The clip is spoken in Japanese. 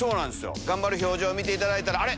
頑張る表情見ていただいたらあれ？